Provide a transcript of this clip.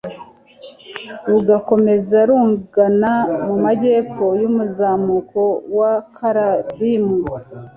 rugakomeza rugana mu majyepfo y'umuzamuko w' akarabimu